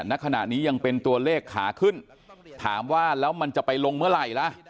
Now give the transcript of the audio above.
ณขณะนี้ยังเป็นตัวเลขขาขึ้นถามว่าแล้วมันจะไปลงเมื่อไหร่ล่ะ